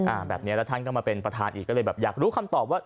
แบบนี้แล้วท่านก็มาเป็นประธานอีกก็เลยแบบอยากรู้คำตอบว่า